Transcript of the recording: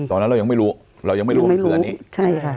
ตอนนั้นเรายังไม่รู้เรายังไม่รู้ว่ามันคืออันนี้ใช่ค่ะ